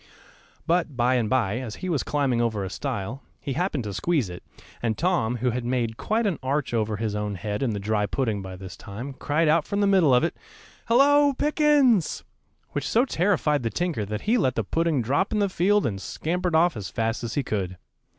But by and by, as he was climbing over a stile, he happened to squeeze it, and Tom, who had made quite an arch over his own head in the dry pudding by this time, cried out from the middle of it, "Hallo, Pickens!" which so terrified the tinker that he let the pudding drop in the field and scampered off as fast as he could.